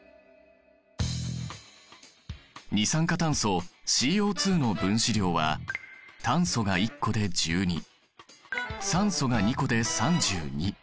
二酸化炭素ＣＯの分子量は炭素が１個で１２酸素が２個で３２。